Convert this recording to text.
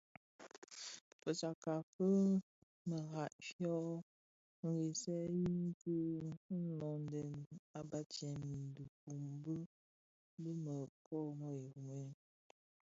Fitsakka fi marai fyo ghësèyi ki noňdè a batsèm i dhifombu bi më kōō më Jrume.